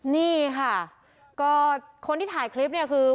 นี่ค่ะก็คนที่ถ่ายคลิปเนี่ยคือ